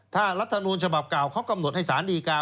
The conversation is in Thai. ถ้ารัฐมนูลฉบับเก่าเขากำหนดให้สารดีกา